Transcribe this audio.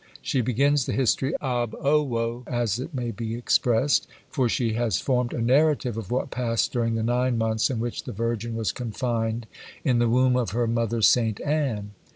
She begins the history ab ovo, as it may be expressed; for she has formed a narrative of what passed during the nine months in which the Virgin was confined in the womb of her mother St. Anne.